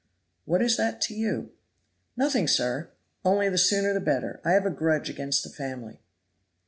"What is that to you?" "Nothing, sir, only the sooner the better. I have a grudge against the family."